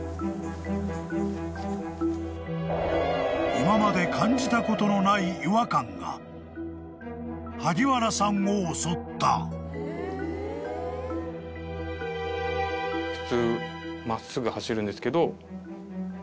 ［今まで感じたことのない違和感が萩原さんを襲った］っていうイメージで。